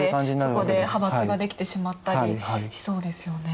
そこで派閥が出来てしまったりしそうですよね。